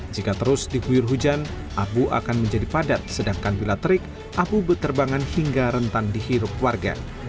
jika terus diguyur hujan abu akan menjadi padat sedangkan bila terik abu berterbangan hingga rentan dihirup warga